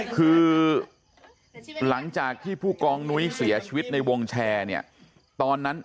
คือหลังจากที่ผู้กองนุ้ยเสียชีวิตในวงแชร์เนี่ยตอนนั้น